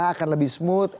akan lebih smooth